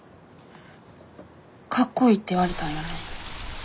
かっこいいって言われたんよね。